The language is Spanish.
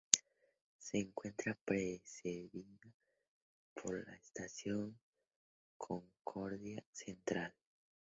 Se encuentra precedida por la Estación Concordia Central.